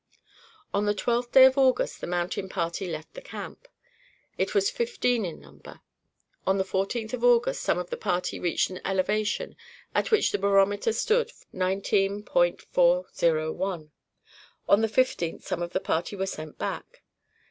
On the 12th day of August the mountain party left the camp. It was fifteen in number. On the 14th of August some of the party reached an elevation at which the barometer stood 19.401. On the 15th some of the party were sent back.